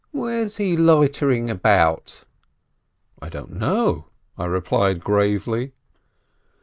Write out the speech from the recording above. Where's he loitering about?" "I don't know," I replied gravely.